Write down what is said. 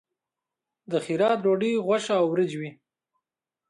د خیرات ډوډۍ غوښه او وریجې وي.